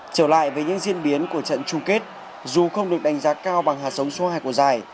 trở lại với những diễn biến của trận chung kết dù không được đánh giá cao bằng hạt sống số hai của giải